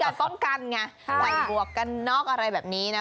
แต่เขาก็มีการป้องกันไงไหว้บวกกันนอกอะไรแบบนี้นะ